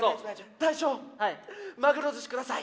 大将マグロ寿司下さい。